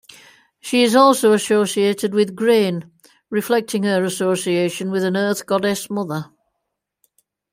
She is also associated with grain, reflecting her association with an earth goddess mother.